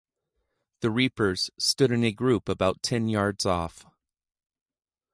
The reapers stood in a group about ten yards off.